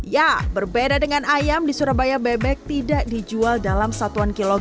ya berbeda dengan ayam di surabaya bebek tidak dijual dalam satuan kilogram